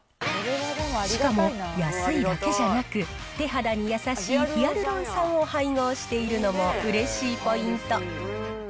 しかも安いだけじゃなく、手肌に優しいヒアルロン酸を配合しているのもうれしいポイント。